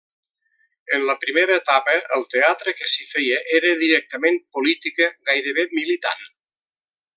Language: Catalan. En la primera etapa el teatre que s'hi feia era directament política, gairebé militant.